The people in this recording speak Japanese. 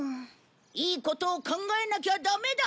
いいことを考えなきゃダメだ！